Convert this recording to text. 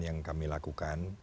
yang kami lakukan